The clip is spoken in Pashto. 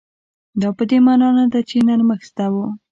دا په دې مانا نه ده چې نرمښت زده و.